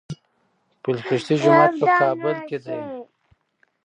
پل خشتي جومات په کابل کي دی